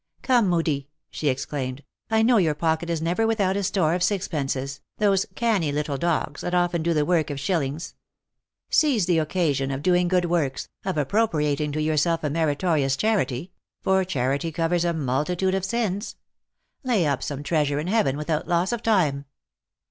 " Come, Moodie," she exclaimed, " I know your pocket is never without a store of sixpences, those canny little dogs, that often do the work of shil lings. Seize the occasion of doing good works, of appropriating to yourself a meritorious charity ; for charity covers a multitude of sins. Lay up some treasure in heaven without loss of time."